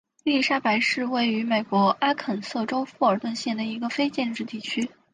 伊莉莎白是位于美国阿肯色州富尔顿县的一个非建制地区。